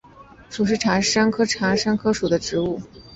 疏齿茶是山茶科山茶属的植物。